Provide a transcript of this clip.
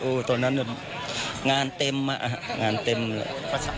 โอ้ตัวนั้นเนี่ยงานเต็มมากงานเต็มเลย